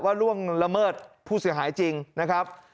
ล่วงละเมิดผู้เสียหายจริงนะครับ